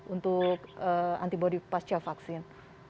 untuk antibody pasca vaksin